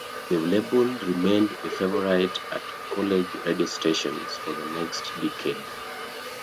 The label remained a favorite at college radio stations for the next decade.